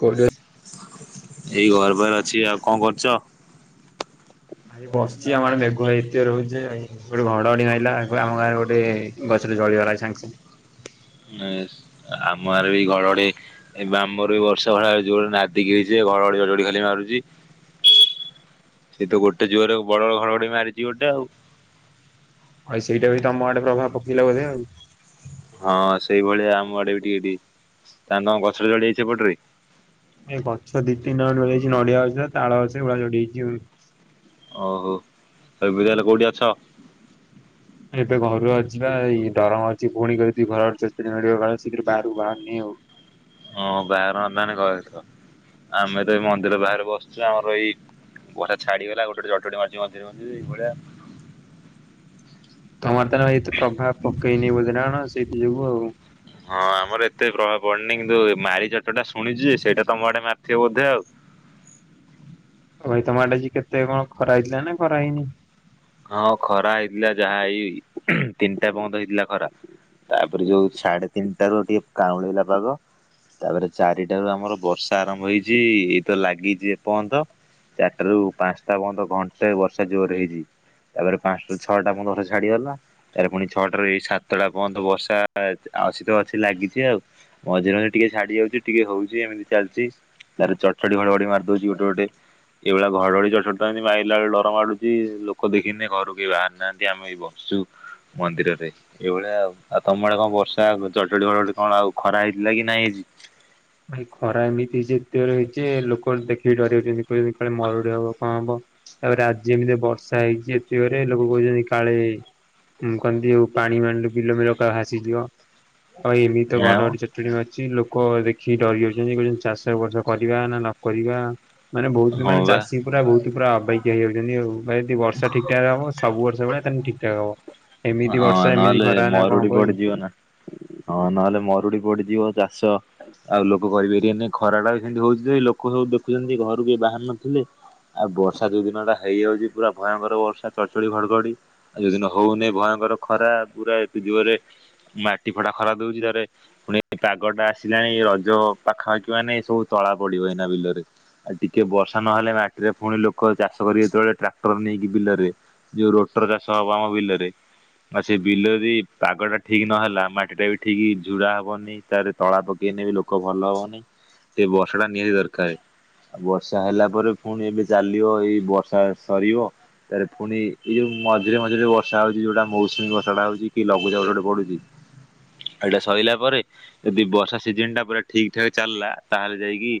କୋଉଠି ଅ [inaudible] ଏଇ ଘରପାଖରେ ଅଛି ଆଉ କଣ କରୁଚ? ଆରେ ବସିଚି ଆମ ଆଡ଼େ ମେଘ ଏତେ ଜୋରେ ହୋଉଚି ଯେ [unintelligible] ଘଡ ଘଡିି ମାଇଲା ଆମ ଗାଁରେ ଗୋଟେ ଗଛଟେ ଜଳିଗଲା ଏଇ ସାଙ୍ଗେ ସାଙ୍ଗେ। ଆମ ଆଡେ ବି ଘଡ଼ ଘଡ଼ି ଆମର ବି ବର୍ଷା ଭଳିଆ ଯୋ ନାଦିକିରି ସେ ଘଡ ଘଡି ଖାଲି ମାରୁଛି ସେ ତ ଗୋଟେ ଜୁଅରେ ବଡ ବଡ ଘରଘଡି ମାରିଛି ଗୋଟେ ଆଉ। ହଉ ସେଇଟା ବି ତମ ଆଡେ ପ୍ରଭାବ ପକେଇଲେ ବୋଧେ ଆଉ। ହଁ ସେଇଭଳିଆ ଆମ ଆଡେ ବି ଟିକେ ତା ତଙ୍କ ଗଛରେ ଚଡି ଯାଇଛି ଏପଟରେ ଏ ଗଛ ଦି ତିନି ଟା ଖଣ୍ଡେ ଭଗିଯାଇଚି ନଡିଆ ଗଛ ତାଳ ଗଛ ଗୁଡା ଚଢଯାଇଛି। ଓହୋ ଏ ଏବେ ତାହାଲେ କୋଉଠି ଅଛ? ଏବେ ଘରୁ ଅ ଯିବା ଏଇ ଦରମା ଅଛି ପୁଣି କରି ଦି ଘର ଚଚୁରୀ ମିଳିବ କଳେ ଶଥିରେ ବାହାରୁ ବାହାରୁନି ଆଉ। ହଁ ବାହାର ନାନେ କହ ଆମେ ତ ଏଇ ମନ୍ଦିର ବାହାରେ ବସିଛୁ ଆମର ଏଇ ଘା ଛାଡିଗଲା ଗୋଟେ ଗୋଟେ ମାରୁଛି ମନ୍ଦି ମି ଏଇ ଭଳିଆ ତମର ତ ନ ଏତ ପ୍ରଭାବ ପକେଇନି ବୋଧେ ନା କଣ? ସେଇଠି ଯିବୁ ଆଉ। ହଁ ଆମର ଏତେ ପ୍ରଭାବ ୱାର୍ଣିଂ ଦୋଉ ମାରି ଚଟା ଶୁଣିଛି ସେଇଟା ତମ ଆଡେ ମାରଥିବ ବୋଧେ ଆଉ। ଭାଇ ତମ ଏଡେ ଯ କେତେ କଣ ଖରା ହେଇଥିଲା ନା ଖରାହେଇନି? ହଁ ଖରା ହେଇଥିଲା ଯାହା ଏଇ ତିନିଟା ପର୍ଯ୍ୟନ୍ତ ହେଇଥିଲା ଖରା ତାପରେ ଯୋଉ ସାଢେ ତିନିଟ ର ଟିକେ କାଉଁଳେଇଲା ପାଗ ତାପରେ ଚାରିଟାରୁ ଆମର ବର୍ଷା ଆରମ୍ଭ ହେଇଛି ଏଇ ତ ଲାଗିଛି ଏ ପର୍ଯ୍ୟନ୍ତ ଚାରିଟ ରୁ ପାଞ୍ଚଟା ପର୍ଯ୍ୟନ୍ତ ଘଣ୍ଟଟା ବର୍ଷା ଜୋର ହେଇଛି। ତାପରେ ପାଞ୍ଚଟା ଛଅଟା ପର୍ଯ୍ୟନ୍ତଥର ଛାଡିଗଲା ତାରେ ପୁଣି ଛଅଟାରୁ ଏଇ ସାତଟା ପର୍ଯ୍ୟନ୍ତ ବର୍ଷା ଆଛି ତ ଅଛି ଲାଗିଛି ଆଉ ମଝିରେ ମଝିରେ ଟିକେ ଛାଡି ଯାଉଛି ଟିକେ ହଉଛି ଏମିତି ଚାଲିଛି ତାର ଚଟଚଡି ଘଡଘଡି ମାରି ଦଉଛି ଗୋଟେ ଗୋଟେ ଏଇଭଳିଆ ଘଡଘଡି ଚା ଏମିତି ମାରଲା ବେଳେ ଡର ମାଡୁଛି। ଲୋକ ଦେଖିନେ ଘରୁ କେହି ବାହାରି ନାହାନ୍ତି ଆମେ ଏ ବସଛୁ ମନ୍ଦିରରେ ଏଇଭଳିଆ ଆଉ ଆଉ ତମ ଆଡେ କଣ ବର୍ଷା ଚଟଡି ଫଟଟି କଣ ଆଉ ଖରା ହେଇଥିଲା କି ନାଇଁ ହେଇଛି। ଭାଇ ଖରା ଏମିତି ହେଇଛି ଏତେବେ ହେଇଛି ଲୋକ ଦେଖିକି ଡରି ଯାଉଛନ୍ତି କାଳେ ମରୁଡି ହବ କଣ ହବ ତାପରେ ଆ ଏମିତି ବର୍ଷା ହେଇଛି ଏତେବେ ଲୋକ କହୁଛନ୍ତି କାଳେ କହନ୍ତି ଆଉ ପାଣି ମାଣିଲ ବିଲ ବିଲ କା ଭାସିଯିବ। ଆଉ ଏମିତି ତ ଘଡ ଆଉ ଘଡି ଚଡ୍ ଚଡ଼ି ମାରୁଚି ଲୋକ କହ କି ଡରି ଯାଉଛନ୍ତି କହୁଛନ୍ତି ଚାଷ ବର୍ଷ କରିବା ନା ନକରିବା ମାନେ ବହୁତ ହଁ ମାନେ ବା ଚାଷୀ ପୁରା ବହୁତ ପୁରା ଅବେଗ ଏହା ହେଇ ଯାଉଛନ୍ତି ଆଉ। ଭାଇ ଯଦି ବର୍ଷା ଠିକ ଠାକ ହବ ସବୁ ବର୍ଷ ସେଇ ଭଳିଆ ତାହନେ ଠିକ୍ ଠାକ୍ ହବ। ଏମିତି ହଁ ବର୍ଷା ଏମିତି ନହେଲେ ଖରା ନା କଣ ମରୁଡି ହବ କି? ପଡିଯିବ ନା ହଁ ନହେଲେ ମରୁଡି ପଡିଯିବ। ଚାଷ ଆଉ ଲୋକ କହିବେକି ଏନେ ଖରା ଟା ବି ସେମିତି ହଉଛି ଲୋକ ସବୁ ଦେଖୁଛନ୍ତି ଘରୁ କି ବାହାର ନଥିଲେ ଆଉ ବର୍ଷା ଯୋଉ ଦିନ ଟା ହେଇଯାଉଛି ପୁରା ଭୟଙ୍କର ବର୍ଷା ଚଢଚଢ ଘଡଘଡି ଆଉ ଯୋଉଦିନ ହଉନି। ଭୟଙ୍କର ଖରା ପୁରା ଏତେ ଯୁଗରେ ମାଟି ଫଟା ଖରା ଦଉଛି ତାରେ ପୁଣି ପାଗଟା ଆସିଲାଣି ରଜ ପାଖାପାଖି ମାନେ ସବୁ ତଳା ପଡିବ ଏନା ବିଲରେ ଆଉ ଟିକେ ବର୍ଷା ନହେଲେ ମାଟିରେ ପୁଣି ଲୋକ ଚାଷ କରି ଯେତେବେଳେ ଟ୍ରାକ୍ଟର ନେଇକି ବିଲରେ ଯୋଉ ରୋଟର ଚାଷ ହବ ଆମ ବିଲରେ ଆଉ ସେ ବିଲ ଯଦି ପାଗଟା ଠିକ ନହେଲା ମାଟି ଟା ବି ଠିକ ଝୁଡା ହବନି ତରେ ତଳା ପକେଇଲେ ବି ଲୋକ ଭଲ ହବନି ସେ ବର୍ଷା ଟା ନିହାତି ଦରକାର ଆଉ ବର୍ଷା ହେଲା ପରେ ପୁଣି ଏବେ ଚାଲିବ ଏଇ ବର୍ଷା ସରିବ ତାରେ ପୁଣି ଏ ଯୋଉ ମଝିରେ ମଝିରେ ବର୍ଷା ହଉଛି। ଯୋଉଟା ମୌସୁମୀ ବଷା ଟା ହଉଛି କି ଲଘୁଚାପ ଗୋଟେ ପଡୁଛି ଏଇଟା ସରିଲା ପରେ ଯଦି ବର୍ଷା ସିଜନ ଟା ପୁରା ଠିକ ଠାକ୍ ଚାଲିଲା ତାହେଲେ ଯାଇକି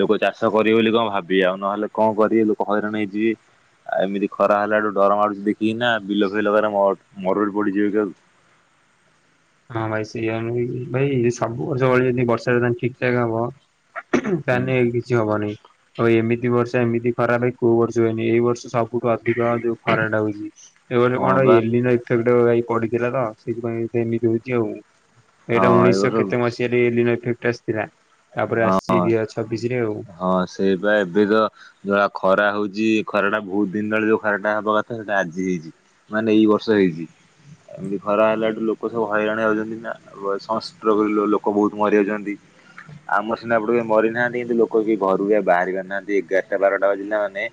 ଲୋକ ଚାଷ କରିବେ ବୋଲି କଣ ଭାବିବେ ଆଉ ନହେଲେ କଣ କରିବେ ଲୋକ ହଇରାଣ ହେଇଛିିବେ ଏମିତି ଖରା ହେଲାୁ ଡର ମାଡୁଛି ଦେଖିକି ନା ବିଲ ଫ ମରଳ ପଡ଼ିଯିବକି ଆଉ। ହଁ ଭାଇ ସେଇ ଭାଇ ସବୁ ବର୍ଷ ଭଳି ଯଦି ବର୍ଷାଲେ ଠିକ୍ ଠା ହବ ତା ହୁଁ ନେଇ କିଛି ହବନି। ଆଉ ଏମିତି ବର୍ଷ ଏମିତି ଖରା କୋଉ ବର୍ଷୁଏନି ଏଇ ବର୍ଷ ସବ ସବୁଠୁ ଅଧିକ ଯୋଉ ଖରାଟା ହୋଉଛି। ଏବେ ଗୋଟେ ହଁ କଣ ବା ଗୋଟେ ଏଲିନୋ ଇଥ ଭାଇ ପଡିଥିଲା ତ ସେଇଥିପାଇଁ ସେମତି ହୋଉଛି ଆଉ। ଏଇଟା ହଁ ଏ ଉଣେଇଶହ ବର୍ଷ କେତେ ମସିହାରେ ଏଲିନୋ ଇଫେକ୍ଟ ତେସ୍ ଥିଲା। ତାପରେ ହଁ ଆସିଛି ଦୁଇ ହଜାର ଛବିଶ ରେ ଆଉ। ହଁ ସେଇପା ଏବେ ତ ଯ ଖରା ଖରା ହେଉଛି ଖରାଟା ବହୁତ ଦିନ ତଳେ ଯେଉଁ ଖରାଟା ହେବା କଥା ସେଇଟା ଆଜି ହେଇଛି ମାନେ ଏଇ ବର୍ଷ ହେଇଛି ଖରା ହେଲାଠୁ ଲୋକ ସବୁ ହଇରାଣ ଯାଉଛନ୍ତି ନା ସନ୍ଷ୍ଟ୍ରୋକ ଲୋକ ବହୁତ ମରିଯାଉଛନ୍ତି ଆମର ସିନା ଏପଟେ କେହି ମରିନାହାନ୍ତି କିନ୍ତୁ ଲୋ ଲୋକ କେହି ଘରୁବି ବାହାରି ପାରୁ ନାହାନ୍ତି ଏଗାରଟା ବାରଟା ବାଜିଲା ମାନେ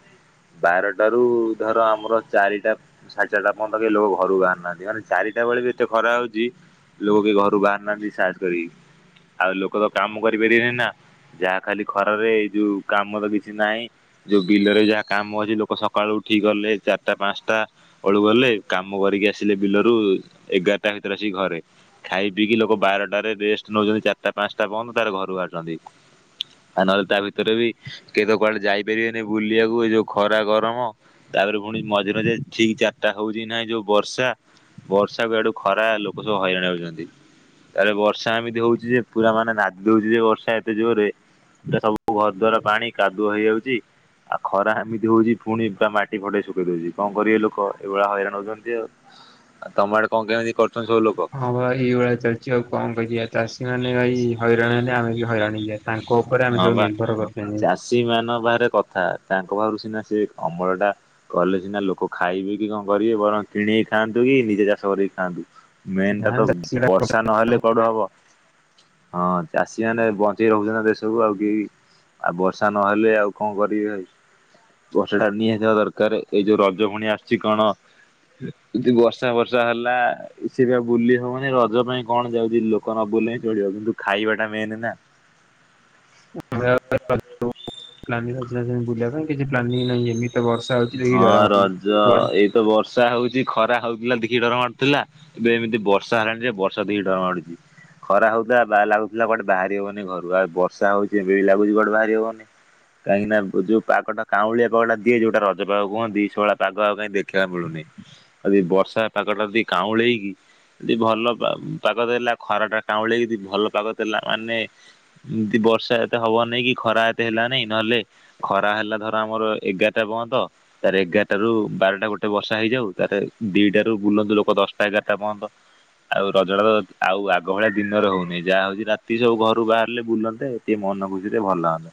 ବାରଟାରୁ ଧର ଆମର ଚାରିଟା ସାଢେ ଚାରିଟା ପର୍ଯ୍ୟନ୍ତ ଲୋକ ଘରୁ ବାହାରୁ ନାହାନ୍ତି ମାନେ ଚାରିଟା ବେଳେ ବି ଏତେ ଖରା ହେଉଛି ଲୋକ କେହି ଘରୁ ବାହାରୁ ନାହାନ୍ତି ସାହାସ କରିକି ଆଉ ଲୋକ ତ କାମ କରିପାରିବେନି ନା ଯାହା ଖାଲି ଖରାରେ ଏଇ ଯୋଉ କାମ ତ କିଛି ନାହିଁ ଯୋଉ ବିଲରେ ଯାହା କାମ ଅଛି ଲୋକ ସକାଳୁ ଉଠିକି ଗଲେ ଚାରିଟା ପାଞ୍ଚଟା ବେଳୁ ଗଲେ କାମ କରିକି ଆସିଲେ ବିଲରୁ ଏଗାରଟା ଭିତରେ ଆସିକି ଘରେ ଖାଇ ପିଇକି ଲୋକ ବାରଟାରେ ରେଷ୍ଟ ନଉଛନ୍ତି ଚାରିଟା ପାଞ୍ଚଟା ପର୍ଯ୍ୟନ୍ତ ତାପରେ ଘରୁ ବାହାରୁଛନ୍ତି। ଆଉ ନହେଲେ ତା ଭିତରେ ବି କେହିତ କୁଆଡେ ଯାଇପାରିବେନି ବୁଲିବାକୁ ଏ ଯୋଉ ଖରା ଗରମ ତାପରେ ପୁଣି ମଝିରେଝିରେ ଠିକ ଚାରିଟା ହଉଛି ନାହିଁ ଯୋଉ ବର୍ଷା ବର୍ଷାକୁ ଆଡୁ ଖରା ଲୋକ ସବୁ ହଇରାଣ ହଉଛନ୍ତି ତାପରେ ବର୍ଷା ଏମିତି ହଉଛି ଯେ ପୁରା ମାନେ ନାଦି ଦଉଛି ଯେ ବର୍ଷା ଏତେ ଜୋରରେ ପୁରା ସବୁ ଘର ଦଵାର ପାଣି କାଦୁଅ ହେଇଯାଉଛି ଆଉ ଖରା ଏମିତି ହଉଛି ପୁଣି ବା ମାଟି ଫଟେଇ ଶୁଖେଇ ଦଉଛି କଣ କରିବେ ଲୋକ ଏଇଭଳିଆ ହଇରାଣ ହଉଛନ୍ତି ଆଉ ଆଉ ତମ ଆଡେ କଣ କେମିତି? କରୁଛନ୍ତି ସବୁ ଲୋକ? ହଁ ଭ ଏଇ ଭଳିଆ ଚାଲିଛି ଆଉ କଣ କରିବା ଚାଷୀ ମାନେ ଭାଇ ହଇରାଣ ହେଲେ ଆମେ ବି ହଇରାଣ ହେଇଯିବା। ତାଙ୍କ ଉପରେ ଆମେ ହଁ ସବୁ ବା ନିର୍ଭର କରୁଛନ୍ତି ଚାଷୀ ମାନଙ୍କ ବାହାରେ କ ଥା ତାଙ୍କ ପାଖରୁ ସିନା ସେ ଅମଳ ଟା କଲେ ସିନା ଲୋକ ଖାଇବେ କି କଣ କରିବେ ବରଂ କିଣି କି ଖାଆନ୍ତୁ କି ନିଜେ ଚାଷ କରି କି ଖାଆନ୍ତୁ। ମେନ୍ ଟା ଯାହା ତ ଚାଷୀ ବର୍ଷା ନହେଲେ କୁଆଡୁ ହବ ହଁ ଚାଷୀ ମାନେ ବଞ୍ଚେଇ ରଖୁଛନ୍ତି ନା ଦେଶକୁ। ସବୁ ଆଉ କେହି ଆଉ ବର୍ଷା ନହେଲେ ଆଉ କଣ କରିବେ ବର୍ଷାଟା ନିହାତି ହବା ଦରକାର ଏଇ ଯୋଉ ରଜ ଭୁଣି ଆସୁଛି କଣ ଯଦି ବର୍ଷା ବର୍ଷା ହେଲା ସେ ବି ବୁଲି ହବନି ରଜ ପାଇଁ କଣ ଯାଉଛି ଲୋକ ନ ବୁଲିଲେ ହିଁ ଚଳିବ କିନ୍ତୁ ଖାଇବା ଟା ମେନ ନା? [unintelligible] ବୁଲିବା ପାଇଁ କିଛି ପ୍ଲାନିଂ ନାହିଁ ଏମିତି। ତ ବର୍ଷା ହଉଛି ଦେଖିକି ହଁ ଡର ରଜ ମାଡୁଛି। ଏଇତ ବର୍ଷା ହଉଛି ଖରା ହଉଥିଲା ଦେଖି ଡର ମାଡୁଥିଲା ଏବେ ଏମିତି ବର୍ଷା ହେଲାଣି ଯେ ବର୍ଷା ଦେଖି ଡର ମାଡୁଛି ଖରା ହଉଥିଲା ବା ଲାଗୁଥିଲା କଟେ ବାହାରି ହବନି ଘରୁ ଆଉ ବର୍ଷା ହଉଛି ଏବେ ଖରା ହଉଥିଲା ଦେଖିକି ଡର ମଡୁଥିଲା ଏବେ ଏମତି ବର୍ଷା ହେଲାଣି ଯେ ବର୍ଷା କୁ ଦେଖିକି ଡର ମାଡ଼ୁଛି ଖରା ହଉଥିଲା [unintelligible] କୁଆଡ଼େ ବାହାରି ହଉନଥିଲା ଘରୁ ବର୍ଷା ହଉଚି ଏବେ ବି ଲାଗୁଛି କୁଆଡେ଼ ବାହାରି ହବ କାହିକିଁ ନା ଜଉ କାଉଁଳିଆ ପାଗଟା ଦିଏ ରଜକୁ ଗପ କୁହନ୍ତି ସେଭଳିଆ ପାଗ ଆଉ କାହିଁ ଦେଖିବାକୁ ମିଳୁନି ଯଦି ବର୍ଷା ପାଗଟା ଯଦି କାଉଁଳେଇକି ଯି ଭଲ ପାଗ ଦେଲା ଖରା ଟା କାଉଁଳେଇକି ଯଦି ଭଲ ପାଗ ଦେଲା ମାନେ ଏମତି ବର୍ଷା ଏତେ ହବନେଇଁ କି ଖରା ଏତେ ହେଲାନାଇଁ ନହେଲେ ଖରା ହେଲା ଧର ଆମର ଏଗାରଟା ପର୍ଯ୍ୟନ୍ତ ତାର ଏଗାରଟା ର ବାରଟା ଗୋଟେ ବର୍ଷା ହେଇଯାଉ ତାର ଦିଟା ରୁ ବୁଲନ୍ତୁ ଲୋକ ଦଶଟା ଏଗାରଟା ପର୍ଯ୍ୟନ୍ତ ଆଉ ରଜଟା ତ ଆଉ ଆଗ ଭଳିଆ ଦିନରେ ହଉନି ଯାହା ହଉଛି ରାତି ସବୁ ଘରୁ ବାହାରିଲେ ବୁଲନ୍ତେ ଟିକେ ମନ ଖୁସି ରେ ଭଲ ଲାଗନ୍ତା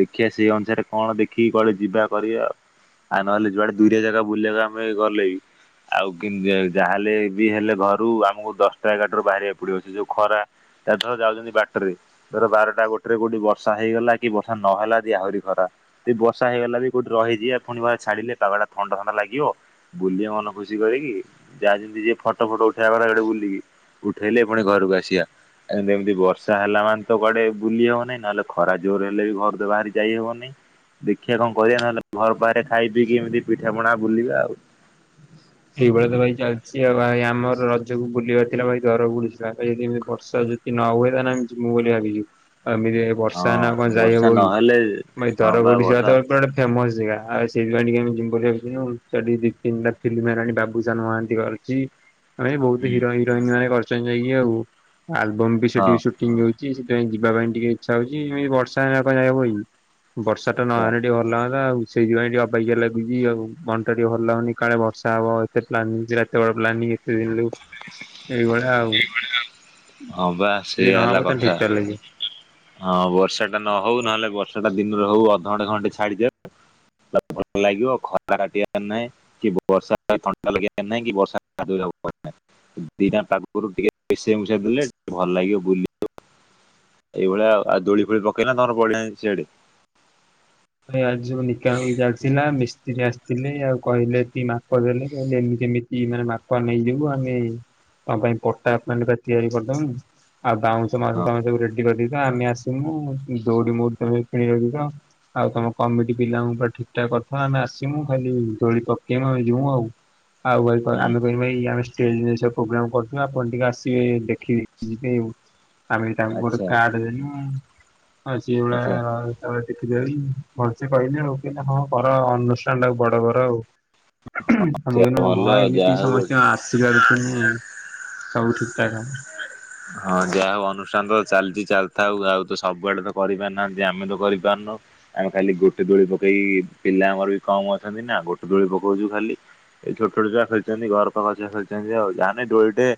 ଦେଖିବା ସେଇ ଅନୁସାରେ କଣ ଦେଖିକି କୁଆଡେ଼ ଯିବା କରିବା ଆଉ ଆଉ ନହେଲେ ଯୁଆଡେ ଦୁରିଆ ଜାଗା ବୁଲିବାକୁ ଆମେ ଗଲେ ବି ଆଉ ଯାହାଲେ ବି ହେଲେ ଘରୁ ଆମକୁ ଦଶଟା ଏଗାରଟା ରୁ ବାହାରିବାକୁ ପଡିବ ସେ ଯୋଉ ଖରା ତା ଧର ଯାଉଛନ୍ତି ବାଟରେ ଧର ବାରଟା ଗୋଟେରେ କୋଉଠି ବର୍ଷା ହେଇଗଲା କି ବର୍ଷା ନହେଲା ଦି ଆହୁରି ଖରା ବର୍ଷା ହେଇଗଲା ବି କୋଉଠି ରହିଜିବା। ପୁଣି ବା ଛାଡିଲେ କାଗା ଥଣ୍ଡା ଥଣ୍ଡା ଲାଗିବ ବୁଲିବେ ମନ ଖୁସି କରିକି ଯାହା ଯେମିତି ଯିଏ ଫଟୋ ଫଟୋ ଉଠେଇବା କଥା ସେଡେ ବୁଲିକି ଉଠେଇଲେ ପୁଣି ଘରକୁ ଆସିବା ଏମିତି ବର୍ଷା ହେଲା ମାନେ ତ କୁଆଡେ ବୁଲି ହବନାହିଁ ନହେଲେ ଖରା ଜୋର ହେଲେ ବି ଘରୁ ତ ବାହାରି ଯାଇହବନେହିଁ ଦେଖିବା କଣ କରିବା ନହେଲେ ଘର ବା ସେ ଖାଇ ପିଇକି ଏମିତି ପିଠା ପଣା ବୁଲିବା ଆଉ। ଏହିଭଳିଆ ତ ଭାଇ ଚାଲିଛି ଆଉ ଭାଇ ଆମର ରଜ କୁ ବୁଲିବାର ଥିଲା ଭାଇ ଦର ବୁଡିଶା ତ ଏଠି ଏମତି ବର୍ଷା ଜତି ନ ହୁଏ ତାହେଲେ ଆମେ ଜିମୁଁ ବୋଲି ଭାବିଛୁ। ଏମିତି ବର୍ଷା ହଁ ହେନେ ଆଉକଣ ବର୍ଷା ଯାଇହବ କି ନହେଲେ ଭାଇ ହଁ ବା ଧରପଡିଶା ତ ବର୍ଷା ଏପଟେ ଫେମସ୍ ଯେଗା ଆଉ ସେଇଥି ପାଇଁ ଟିକେ ଆମେ ଜିମୁଁ ବୋଲି ଭାବିଥିଲୁ ଛୁଆ ଦି ତିନିଟା ଫିଲ୍ମ ରାଣୀ ବାବୁସାନ ମହାନ୍ତି କରୁଛି ଆମେ ବି ବହୁତ ହୁଁ ହିରୋ ହିରୋଇନ୍ ସାଙ୍ଗେ କରିଛୁ। [unintelligible] ଆଲବମ୍ ବି ହଁ ସେଠି ସୁଟିଂ ହଉ ଯେ ସେଥିପାଇଁ ଯିବା ପାଇଁ ଟିକେ ଇଚ୍ଛା ହଉଛି ଏମିତି ବର୍ଷା ହେଲେ ଆଉ କଣ ଯାଇହେବ କି। ବର୍ଷା ଟା ଆଚ୍ଛା। ନହେଲେ ଟିକେ ଭଲ ଲାଗନ୍ତା ଆଉ ସେଇଥିପାଇଁ ଟିକେ ଅବାଗିଆ ଲାଗୁଛି ଆଉ ମନ୍ ଟା ଟିକେ ଭଲ ଲାଗୁନି କାଳେ ଵ [unintelligible] ଏଇଭଳିଆ ଆଉ ହଁ ବା ଯଦି ସେଇଆ ନ ହେଲା ହବ ତାହାଲେ କଥା। ଠିକଠାକ ଲାଗିବ। ହଁ ବର୍ଷା ନ ହଉ ନହେଲେ ବର୍ଷା ଟା ଦିନ୍ ରହୁ ଅଧଘଣ୍ଟେ ଘଣ୍ଟେ ଛାଡିଯାଉ ଭଲ ଲାଗିବ ଖରା କାଟିବାର ନାହିଁ କି ବର୍ଷା ଥଣ୍ଡା ଲାଗିବାର ନାହିଁ କି ବର୍ଷା କାଦୁଅ ରେ ହେବାର ନାହିଁ ଦିଟାଙ୍କ ପାଗରୁ ଟିକେ ମିଶେଇ ମୁସାଇ କି ଦେଲେ ଟିକେ ଭଲ ଲାଗିବ ବୁଲିବାକୁ ଏଇଭଳିଆ ଆଉ ଦୋଳି ଫୋଳି ପକେଇଲେ ତମର ପଡିଆ ନାହିଁ ସେଆଡେ ଏ ଆଯି ସବୁ ନିକା ହୋଇ ଯାଇଥିଲା ମିସ୍ତ୍ରୀ ଆସିଥିଲେ ଆଉ କହିଲେ କି ମାପ ଦେଲେ କହିଲେ ଏମିତି କେମିତି ମାନେ ମାପା ନେଇଯିବୁ ଆମେ ତ ପାଇଁ ପଟା ମାନେ ତିଆରି କରିଦବୁ। ଆଉ ବାଉଁଶ [unintelligible] ର ତ ଆମେ ଆସିମୁ ଦୌଡିମ ତମ କିଣି ରଖି ତ ଆଉ ତମ କମିଟି ପିଲାଙ୍କୁ ପୁରା ଠିକ୍ ଠାକ୍ କରିଥା ଆମେ ଆସିମୁ ଖାଲି ଦୋଳି ପକେଇମୁ ଆମେ ଜିମୁ ଆଉ। ଆଉ [unintelligible] ହୁଁ ଆମେ କହିବା [unintelligible] ଠିକ୍ ଜିନିଷ ପ୍ରୋଗ୍ରାମ କରୁଥିଲା ଆପଣ ଟିକେ ଆସିବେ ଦେଖିବେ ଯିବେ। ଆମେ ତାଙ୍କୁ ଗୋଟେ ଆଚ୍ଛା କାଡ୍ ଦେନୁ ଆ ସେଉଳା ଆଚ୍ଛା [unintelligible] [unintelligible] ଭଲସେ କହିଲି ହଉ କହିଲ ହଁ କର ଅନୁଷ୍ଠାନ ଟାକୁ ବଡ କର ଆଉ। ଆମେ କହିଲୁ ଭଲ ହଁ ଯାହା ଏମିତି ହଉ ଗୋଟେ ସମସ୍ତିଙ୍କ ଆଶୀର୍ବାଦ ଥିନେ ସବୁ ଠିକ୍ ଠାକ୍ ହବ। ହଁ ଯାହା ହଉ ଅନୁଷ୍ଠାନ ତ ଚାଲିଛି ଚାଲିଥାଉ ।ଆଉ ତ ସବୁଆଡେ ତ କରିପାରୁନାହାନ୍ତି ଆମେ ତ କରିପାରୁନୁ । ଆମେ ଖାଲି ଗୋଟେ ଦୋଳି ପକେଇକି ପିଲା ଆମର ବି କମ ଅଛନ୍ତି ନା ଗୋଟେ ଦୋଳି ପକଉଛୁ । ଖାଲି ଏଇ ଛୋଟ ଛୋଟ ଛୁଆ ଖେଳିଛନ୍ତି ଘର ପାଖ ଛୁଆ ଖେଳିଛନ୍ତି ଆଉ ଯାହାହେଦୋଳିଟେ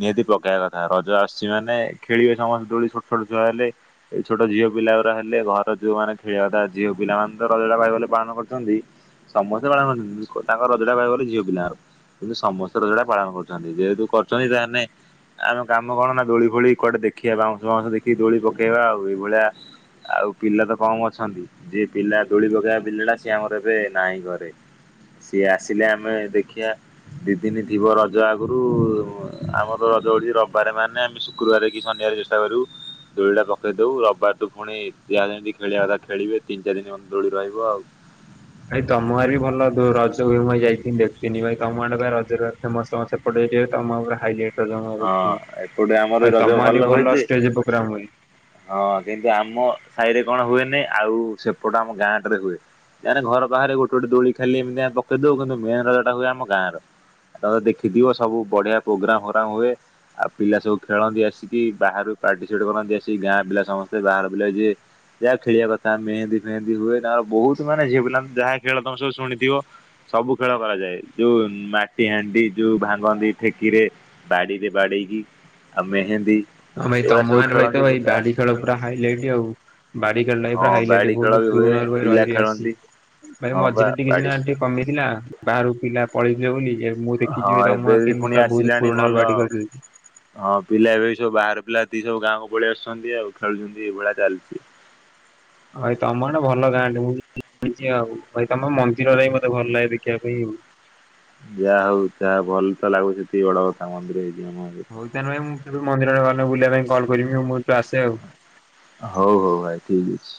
ନିହାତି ପକେଇବା କଥା ରଜ ଆସଛି ମାନେ ଖେଳିବେ ସମସ୍ତେ ଦୋଳି ଛୋଟ ଛୋଟ ଛୁଆ ହେଲେ ଏଇ ଛୋଟ ଝିଅ ପିଲା ଗୁରା ହେଲେ ଘର ଯୋଉମାନେ ଖେଳିବାଥା ଝିଅ ପିଲାମାନେତ ରଜଟା କହିବା ଗଲେ ପାଳନ କରୁଛନ୍ତି ସମସ୍ତେ ପାଳନ କରୁଛନ୍ତି ତାଙ୍କ ରଜଟା କହିବାକୁ ଗଲେ ଝିଅ ପିଲାଙ୍କର କିନ୍ତୁ ସମସ୍ତେ ରଜଟା ପାଳନ କରୁଛନ୍ତି ଯେହେତୁ କରଛନ୍ତି ତାହେଲେ ଆ କାମ କଣ ନା ଦୋଳି ଫୋଳି କୁଆଡେ ଦେଖିବା ବାଉଁଶ ବାଉଁଶ ଦେଖିକି ଦୋଳି ପକେଇବା ଆଉ ଏଇଭଳିଆ ଆଉ ପିଲା ତ କମ ଅଛନ୍ତି ଯିଏ ପିଲା ଦୋଳି ପକେଇବା ପିଲାଟା ସିଏ ଆମର ଏବେ ନାହିଁ ଘରେ ସିଏ ଆସିଲେ ଆମେ ଦେଖିବା ଦି ଦିନ ଥିବ ରଜ ଆଗରୁ ଆମର ରଜ ଭଳି ବାରେ ମାନେ ଆମେ ଶୁକ୍ରବାର କି ଶନିବାର ଚେଷ୍ଟା କରିବୁ ଦୋଳି ଟା ପକେଇ ଦଉ ରବିବାର ଠୁ ପୁଣି ଜାହାଯେମିତି ଖେଳିବା କଥା ଖେଳିବେ ତିନି ଚାରି ଦିନ ଦୋଳି ରହିବ ଆଉ। ଭାଇ ତମ ଆରେ ବି ଭଲ ଦୋ [unintelligible] ଯାଇଥିନି ଦେଖଥିନି ଭାଇ ତମ ଆଡେ ପା ରଜ ରେ ଫେମସ ତମ ସେପଟ ଏରିଆରେ ତମ ଉପରେ ହାଇଲାଇଟ। ରଜ ମୁଁ ହଁ ଦେଖିଥିନି। ଏପଟେ ଆମର ଭାଇ ରଜ ତମ ଆଡେ ଭଲ ବି ହୋଇଛି ଷ୍ଟେଜ ପ୍ରୋଗ୍ରାମ ହୁଏ। ହଁ କିନ୍ତୁ ଆମ ସାହିରେ କଣ ହୁଏନି। ଆଉ ସେପଟ ଆମ ଗାଁ ଟା ରେ ହୁଏ। କାହିଁକିନା ଘର ପାଖରେ ଗୋଟେ ଗୋଟେ ଦୋଳି ଖାଲି ଏମିତି ପକେଇ ଦଉ। କିନ୍ତୁ ମେନ ରଜାଟା ହୁଏ ଆମ ଗାଁର ଆଉ ଦେଖିଥିବ ସବୁ ବଢିଆ ପ୍ରୋଗ୍ରାମ ଗ୍ରାମ ହୁଏ ଆଉ ପିଲା ସବୁ ଖେଳନ୍ତି। ଆସିକି ବାହାରୁ ପାର୍ଟିସିପେଟ କରନ୍ତି। ଆସିକି ଗାଁ ପିଲା ସମସ୍ତେ ବାହାର ପିଲା ଯିଏ। ଯାହା ଖେଳିବା କଥା ମେହେନ୍ଦୀ ଫେହନ୍ଦି ହୁଏ। ତାଙ୍କର ବହୁତ ମାନେ ଝିଅ ପିଲା ଯାହା ଖେଳ ତମେ ସବୁ ଶୁଣିଥିବ। ସବୁ ଖେଳ କରାଯାଏ। ଯୋଉ ମାଟି ହାଣ୍ଡି ଯଉ ଭାଙ୍ଗନ୍ତି ଠେକିରେ ବାଡ଼ିରେ ବାଡ଼େଇକି ଆଉ ମେହେନ୍ଦୀ ହଁ ଭାଇ ଏଇଭଳିଆ ତମ ସବୁ ଗାଁ ରେ ଭାଇ ତ ଖେଳନ୍ତି ଭାଇ ପିଲା ବାଡି ଖେଳ ପୁରା ହାଇଲାଇଟ ଆଉ। ବାଡି ଖେଳ ଟା ପୁରା ହଁ ହାଇଲାଇଟ ବାଡି ଖେଳ ବହୁତ ବି ହୁଏ ପୁରୁଣା ରୁ ରହି ପିଲା ରହି ଖେଳନ୍ତି ଆସିଛି। ଭାଇ ହଁ ବା ମଝିରେ ଟିକେ ବାଡି ସିନା ଏମିତି କମିଥିଲା ବାହାରୁ ପିଲା ପଳେଇ ଥିଲେ ବୋଲି। ଏ ମୁଁ ଦେଖିଛି ହଁ ଭାଇ ତମ ଏବେ ଗାଁ ବି କେମିତି ପୁଣି ପୁରା ବହୁତ ଆସିଲାଣି ପୁରୁଣାରୁ ଭଲ। ବାଡି ଖେଳ ଚାଲିଛି। ହଁ ପିଲା ଏବେ ବି ସବୁ ବା ପିଲା ଯେତିକି ସବୁ ଗାଁ କୁ ପଳେଇ ଆସୁଛନ୍ତି ଆଉ ଖେଳୁଛନ୍ତି ଏଇ ଭଳିଆ ଚାଲଚି। ଭାଇ ତମ ଆଡେ ଭଲ ଗାଁ ଟେ। ମୁଁ ଜାଣିଛି ଆଉ ଭାଇ ତମ ମନ୍ଦିରରେ ଟା ମତେ ଭଲ ଲାଗେ ଦେଖିବା ପାଇଁ ଆଉ। ଯାହା ହଉ [unintelligible] ହଉ ତାହାଲେ ଭାଇ ମୁଁ କେବେ ମନ୍ଦିର ଆଡେ ଗଲେ କଲ୍ କରିବି ଆଉ। ମୁଁ ଏଇଠୁ ଆସେ ଆଉ। ହଉ ହଉ ଭାଇ ଠିକ ଅଛି।